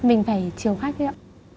mình phải chiều khách ấy ạ